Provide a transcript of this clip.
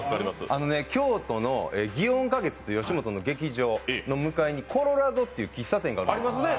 京都の祇園花月という吉本の劇場の前にコロラドという喫茶店があるんです。